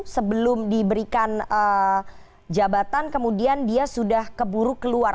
sebelum diberikan jabatan kemudian dia sudah keburu keluar